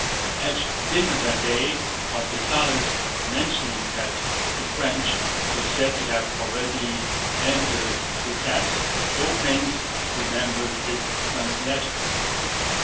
At dinner that day, on Dessalles' mentioning that the French were said to have already entered Vítebsk, the old prince remembered his son's letter.